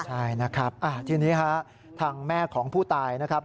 ใช่นะครับทีนี้ฮะทางแม่ของผู้ตายนะครับ